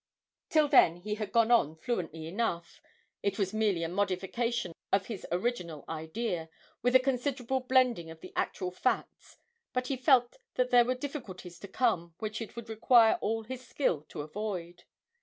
Till then he had gone on fluently enough; it was merely a modification of his original idea, with a considerable blending of the actual facts, but he felt that there were difficulties to come which it would require all his skill to avoid.